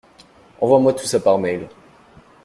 Envoie-moi tout ça par mail.